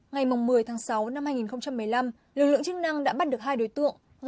ngày một mươi tháng sáu năm hai nghìn một mươi năm lực lượng chức năng đã bắt được hai đối tượng